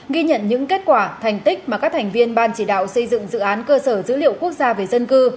ghi nhận những kết quả thành tích mà các thành viên ban chỉ đạo xây dựng dự án cơ sở dữ liệu quốc gia về dân cư